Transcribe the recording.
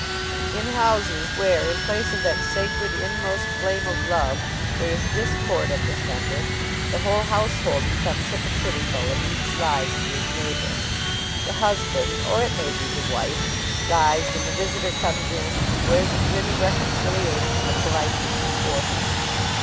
In houses where, in place of that sacred, inmost flame of love, there is discord at the centre, the whole household becomes hypocritical, and each lies to his neighbor. The husband (or it may be the wife) lies when the visitor comes in, and wears a grin of reconciliation or politeness before him.